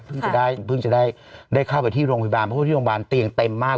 จะได้เพิ่งจะได้เข้าไปที่โรงพยาบาลเพราะว่าที่โรงพยาบาลเตียงเต็มมาก